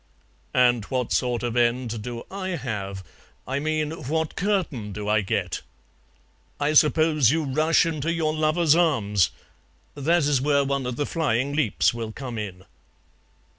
"And what sort of end do I have? I mean, what curtain do I get?" "I suppose you rush into your lover's arms. That is where one of the flying leaps will come in."